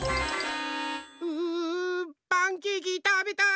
うパンケーキたべたい！